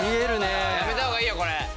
やめた方がいいよこれ！